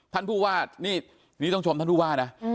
ท่านผู้ว่านี่ต้องชมท่านผู้ว่านะ